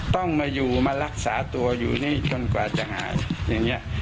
ต้องมาอยู่มารักษาตัวอยู่นี่จนกว่าจะหายอย่างนี้